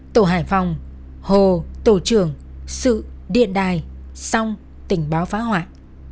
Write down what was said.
tổ hải phòng hồ tổ trưởng sự điện đài song tình báo phá hoại